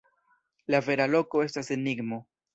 La vera loko estas enigmo.